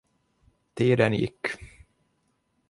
Tiden gick.